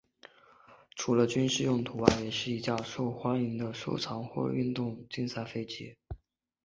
除了军事用途外也是一架受欢迎的收藏或运动竞赛飞机。